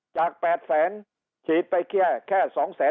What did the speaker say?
จาก๘แสนฉีดไปแค่๒แสน